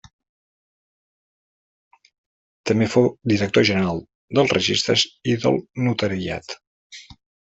També fou Director General dels Registres i del Notariat.